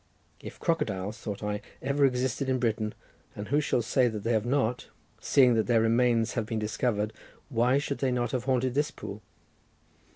"If crocodiles," thought I, "ever existed in Britain, and who shall say that they have not? seeing that their remains have been discovered, why should they not have haunted this pool?